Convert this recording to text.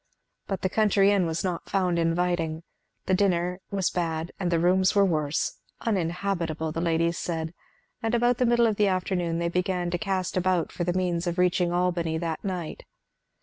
But the country inn was not found inviting; the dinner was bad and the rooms were worse; uninhabitable, the ladies said; and about the middle of the afternoon they began to cast about for the means of reaching Albany that night.